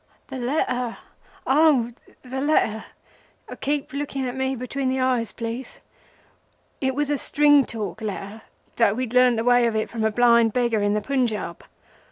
"The letter?—Oh! — The letter! Keep looking at me between the eyes, please. It was a string talk letter, that we'd learned the way of it from a blind beggar in the Punjab."